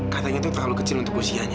katanya itu terlalu kecil untuk usianya